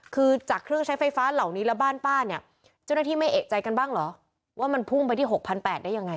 คือจากเครื่องใช้ไฟฟ้าเหล่านี้แล้วบ้านป้าเนี่ยเจ้าหน้าที่ไม่เอกใจกันบ้างเหรอว่ามันพุ่งไปที่๖๘๐๐ได้ยังไง